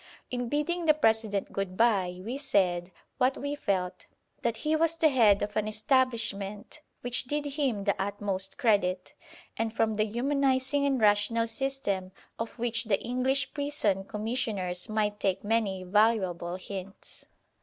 In bidding the President good bye we said, what we felt, that he was the head of an establishment which did him the utmost credit, and from the humanising and rational system of which the English Prison Commissioners might take many valuable hints.